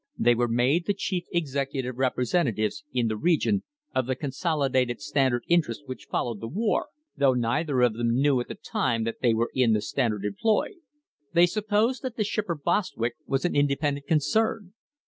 They were made the chief executive representa tives, in the region, of the consolidated Standard interests which followed the war, though neither of them knew at the time that they were in the Standard employ. They supposed that the shipper Bostwick was an independent concern.